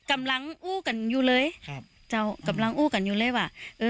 กำลังอู้กันอยู่เลยครับเจ้ากำลังอู้กันอยู่เลยว่าเออ